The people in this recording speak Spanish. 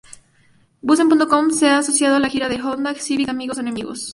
Buzznet.com se ha asociado con la Gira del Honda Civic amigos o enemigos.